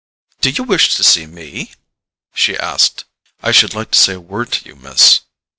"Do you wish to see me?" she asked. "I should like to say a word to you, Miss."